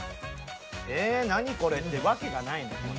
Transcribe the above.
「ええ何これ」ってわけがないのよ。